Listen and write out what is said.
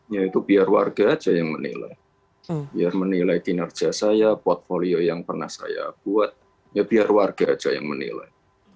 ya itu biar warga aja yang menilai biar menilai kinerja saya portfolio yang pernah saya buat ya biar warga aja yang menilai